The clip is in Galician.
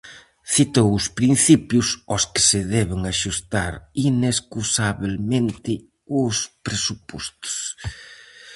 Citou os principios aos que se deben axustar inescusabelmente os presupostos.